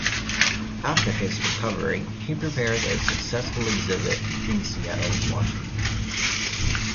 After his recovery, he prepared a successful exhibit in Seattle, Washington.